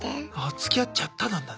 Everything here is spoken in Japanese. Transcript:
つきあっちゃったなんだね。